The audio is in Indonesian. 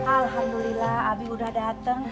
alhamdulillah abi udah dateng